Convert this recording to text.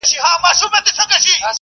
لا د لښتو بارانونه وي درباندي ..